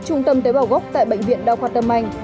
trung tâm tế bào gốc tại bệnh viện đa khoa tâm anh